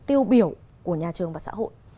tiêu biểu của nhà trường và xã hội